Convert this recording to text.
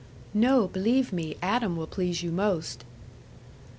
"No; believe me, Adam will please you most."